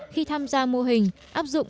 khi tham gia mô hình áp dụng